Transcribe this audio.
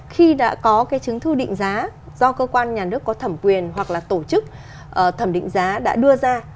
khi đã có cái chứng thư định giá do cơ quan nhà nước có thẩm quyền hoặc là tổ chức thẩm định giá đã đưa ra